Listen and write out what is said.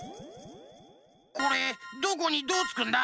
これどこにどうつくんだ？